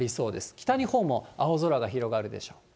北日本も青空が広がるでしょう。